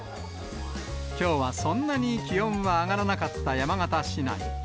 きょうはそんなに気温は上がらなかった山形市内。